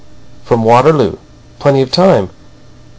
"From Waterloo. Plenty of time.